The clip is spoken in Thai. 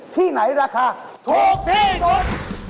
ที่ไหนราคาถูกที่สุด